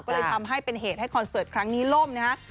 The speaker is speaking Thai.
ก็เลยทำให้เป็นเหตุให้คอนเสิร์ตครั้งนี้ล่มนะฮะ